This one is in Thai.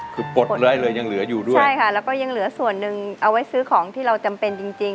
คือปลดไว้เลยยังเหลืออยู่ด้วยใช่ค่ะแล้วก็ยังเหลือส่วนหนึ่งเอาไว้ซื้อของที่เราจำเป็นจริงจริง